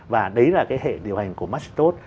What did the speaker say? và đấy là cái hệ điều hành của macintosh